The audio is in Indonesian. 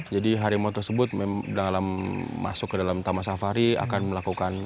jadi harimau tersebut dalam masuk ke dalam tamas safari akan melakukan